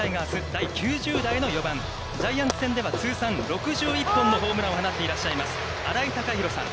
第９０代の４番ジャイアンツ戦では、通算６１本のホームランを放っている新井貴浩さん。